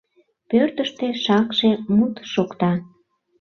Пӧртыштӧ шакше мут шокта.